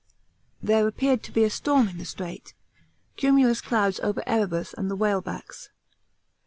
(There appeared to be a storm in the Strait; cumulus cloud over Erebus and the whalebacks.